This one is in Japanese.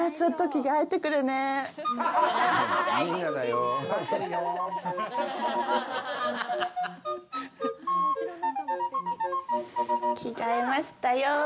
着がえましたよ。